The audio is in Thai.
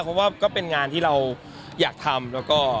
เพราะว่าก็เป็นงานที่เราอยากทำแล้วก็เราก็ตั้งใจด้วย